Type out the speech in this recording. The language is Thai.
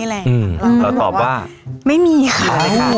เราตอบว่าไม่มีค่ะ